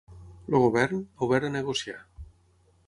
El govern, ‘obert a negociar’